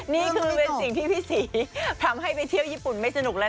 นี่คือเป็นสิ่งที่พี่ศรีทำให้ไปเที่ยวญี่ปุ่นไม่สนุกแล้ว